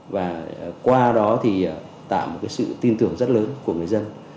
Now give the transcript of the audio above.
và qua đó tạo một sự tin tưởng rất lớn của người dân